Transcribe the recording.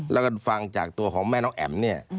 แล้วก็ฟังจากตัวของแม่น้องแอ๋มเนี่ย